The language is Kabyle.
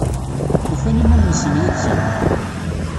Ufan iman-nsen yid-sen?